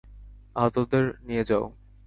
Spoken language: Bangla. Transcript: আহতদের নিয়ে যাও!